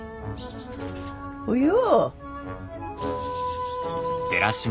およ。